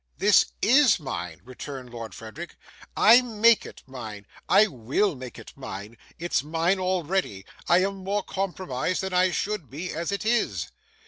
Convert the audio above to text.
'This IS mine,' retorted Lord Frederick. 'I make it mine; I will make it mine. It's mine already. I am more compromised than I should be, as it is.